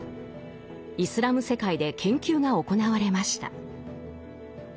イスラム世界で研究が行われました。